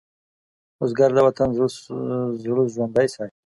بزګر د وطن زړه ژوندی ساتي